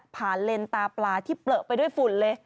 เลนตาปลาที่เปลือไปด้วยฝุ่นเลย